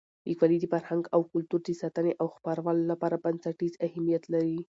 لیکوالی د فرهنګ او کلتور د ساتنې او خپرولو لپاره بنسټیز اهمیت لري.